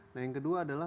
nah yang kedua adalah